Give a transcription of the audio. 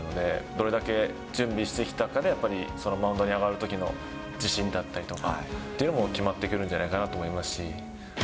どれだけ準備してきたかで、やっぱりそのマウンドに上がるときの自信だったりとかというのも決まってくるんじゃないかなと思いますし。